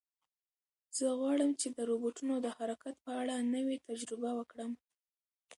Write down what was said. زه غواړم چې د روبوټونو د حرکت په اړه نوې تجربه وکړم.